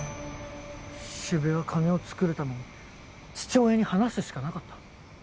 四部は金を作るために父親に話すしかなかった。